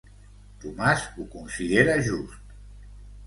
Tomàs ho considera just.